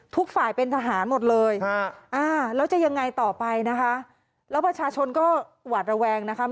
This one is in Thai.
ทุกฝ่ายเป็นทหารหมดเลยแล้วจะยังไงต่อไปนะคะแล้วประชาชนก็หวาดระแวงนะคะ